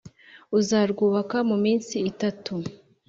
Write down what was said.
uzarwubaka mu minsi itatu